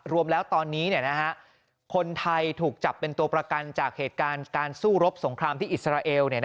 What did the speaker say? รวมแล้วตอนนี้คนไทยถูกจับเป็นตัวประกันจากเหตุการณ์การสู้รบสงครามที่อิสราเอล